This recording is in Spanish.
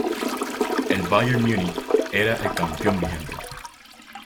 El Bayern Múnich era el campeón vigente.